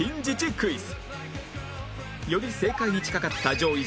クイズ。